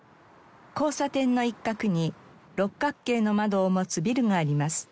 交差点の一角に六角形の窓を持つビルがあります。